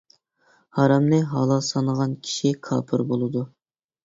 ھارامنى ھالال سانىغان كىشى كاپىر بولىدۇ.